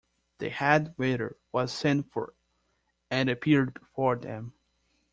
The head waiter was sent for and appeared before them.